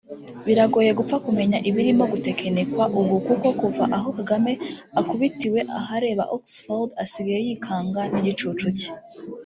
Biragoye gupfa kumenya ibirimo gutekinikwa ubu kuko kuva aho Kagame akubitiwe ahareba Oxford asigaye yikanga n’igicucu cye